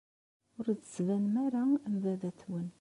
Ur d-tettbanem ara am baba-twen.